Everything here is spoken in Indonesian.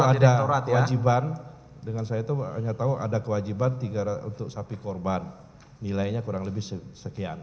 kalau ada kewajiban dengan saya itu hanya tahu ada kewajiban tiga ratus untuk sapi korban nilainya kurang lebih sekian